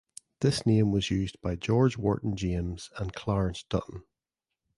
This name was used by George Wharton James and Clarence Dutton.